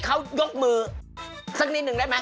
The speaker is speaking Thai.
โอเคเขายกมือสักนิดหนึ่งได้ไหม